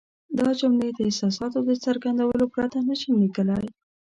دا جملې د احساساتو د څرګندولو پرته نه شم لیکلای.